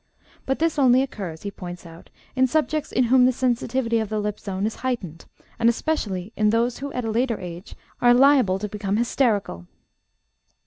But this only occurs, he points out, in subjects in whom the sensitivity of the lip zone is heightened and especially in those who at a later age are liable to become hysterical.